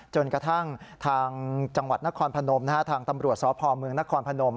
จนกระทั่งทางจังหวัดนครพนมทางตำรวจสพเมืองนครพนม